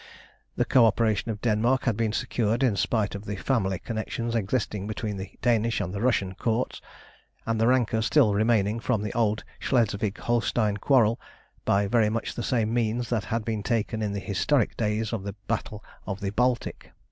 The co operation of Denmark had been secured, in spite of the family connections existing between the Danish and the Russian Courts, and the rancour still remaining from the old Schleswig Holstein quarrel, by very much the same means that had been taken in the historic days of the Battle of the Baltic.